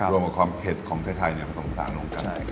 รวมกับความเผ็ดของไทยผสมสารลงกัน